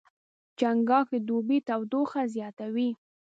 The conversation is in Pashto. چنګاښ د دوبي تودوخه زیاتوي.